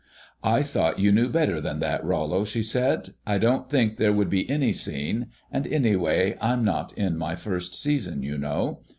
"I thought you knew better than that, Rollo," she said. "I don't think there would be any scene, and, anyway, I'm not in my first season, you know."